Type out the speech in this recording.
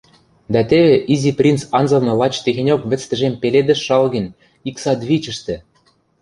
Дӓ теве Изи принц анзылны лач техеньок вӹц тӹжем пеледӹш шалген ик садвичӹштӹ!